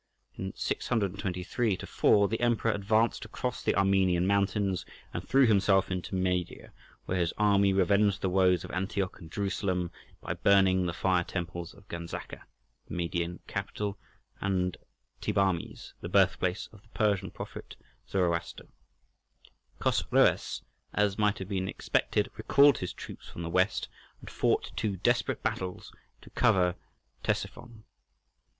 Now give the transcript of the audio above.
In 623 4 the Emperor advanced across the Armenian mountains and threw himself into Media, where his army revenged the woes of Antioch and Jerusalem by burning the fire temples of Ganzaca—the Median capital—and Thebarmes, the birthplace of the Persian prophet Zoroaster. Chosroës, as might have been expected, recalled his troops from the west, and fought two desperate battles to cover Ctesiphon.